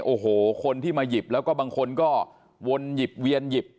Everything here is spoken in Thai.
โอ้โหคนที่มาหยิบแล้วก็บางคนก็วนหยิบเวียนหยิบ